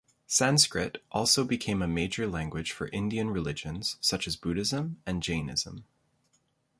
Sanskrit also became a major language for Indian religions such as Buddhism and Jainism.